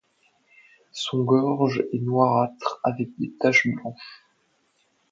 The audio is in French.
Son gorge est noirâtre avec des taches blanches.